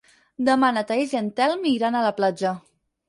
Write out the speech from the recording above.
Demà na Thaís i en Telm iran a la platja.